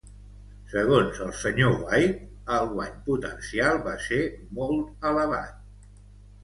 Segons el Sr. White, el guany potencial va ser molt elevat.